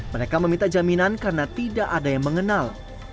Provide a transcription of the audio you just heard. mereka meminta jaminan karena tidak ada yang mengenal